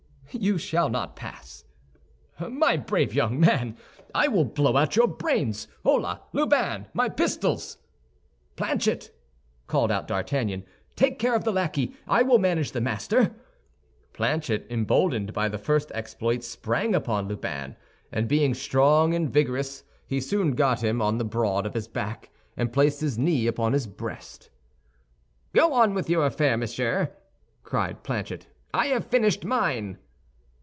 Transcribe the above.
"You shall not pass." "My brave young man, I will blow out your brains. Hola, Lubin, my pistols!" "Planchet," called out D'Artagnan, "take care of the lackey; I will manage the master." Planchet, emboldened by the first exploit, sprang upon Lubin; and being strong and vigorous, he soon got him on the broad of his back, and placed his knee upon his breast. "Go on with your affair, monsieur," cried Planchet; "I have finished mine."